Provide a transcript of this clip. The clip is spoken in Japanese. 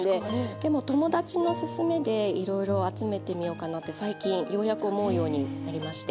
でも友達のすすめでいろいろ集めてみようかなって最近ようやく思うようになりまして。